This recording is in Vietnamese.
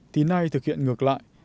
thì nay thực hiện ngược lại